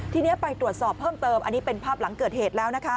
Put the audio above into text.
ทีนี้ไปตรวจสอบเพิ่มเติมอันนี้เป็นภาพหลังเกิดเหตุแล้วนะคะ